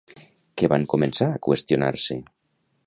Què van començar a qüestionar-se?